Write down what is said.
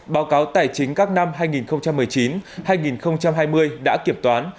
báo cáo tài chính các năm hai nghìn một mươi chín hai nghìn hai mươi đã kiểm toán